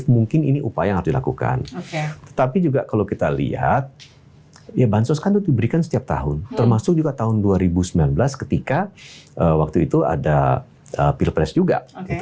mungkin ini upaya yang harus dilakukan tetapi juga kalau kita lihat ya bansos kan itu diberikan setiap tahun termasuk juga tahun dua ribu sembilan belas ketika waktu itu ada pilpres juga